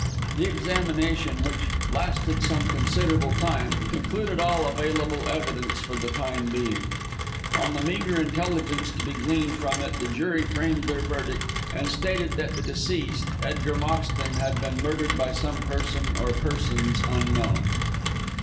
This examination, which lasted some considerable time, concluded all available evidence for the time being. On the meagre intelligence to be gleaned from it the jury framed their verdict, and stated that the deceased, Edgar Moxton, had been murdered by some person or persons unknown.